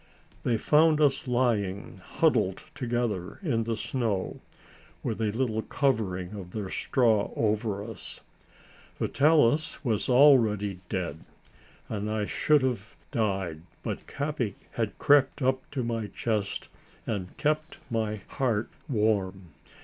They found us lying, huddled together in the snow, with a little covering of their straw over us. Vitalis was already dead, and I should have died but Capi had crept up to my chest and kept my heart warm.